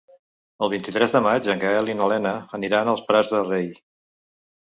El vint-i-tres de maig en Gaël i na Lena aniran als Prats de Rei.